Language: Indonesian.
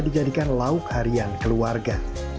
dijadikan lauk harian keluarga